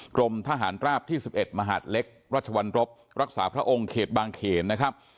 กรมทหารราบที่๑๑มหาดเล็กรัชวรรบรักษาพระองค์เขตบางเขนนะครับ